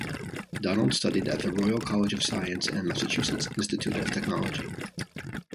Donald studied at the Royal College of Science and Massachusetts Institute of Technology.